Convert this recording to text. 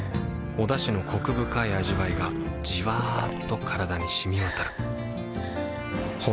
おだしのコク深い味わいがじわっと体に染み渡るはぁ。